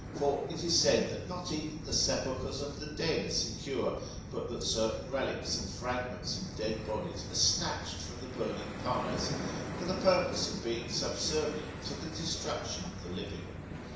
For it is said, that not even the sepulchres of me dead are secure, but that certain relics and fragments of dead bodies are snatched from the burning pyres, for the purpose of being subservient to the destruction of the living.